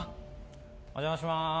お邪魔します。